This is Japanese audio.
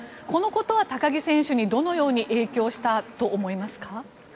このことは高木選手にどのように影響したと思いますか？